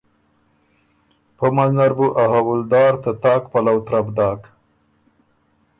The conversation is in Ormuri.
پۀ منځ نر بُو ا حؤلدار ته تاک پلؤ ترپ داک